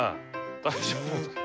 大丈夫？